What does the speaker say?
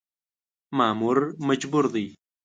مامور مجبور دی .